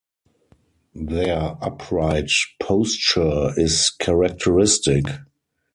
Their upright posture is characteristic.